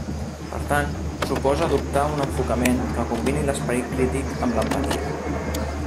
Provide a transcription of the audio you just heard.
Per tant suposa adoptar un enfocament que combini l'esperit crític amb l'empatia.